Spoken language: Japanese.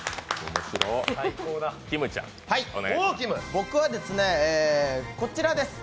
僕はこちらです。